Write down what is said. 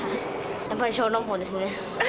やっぱり小籠包ですね。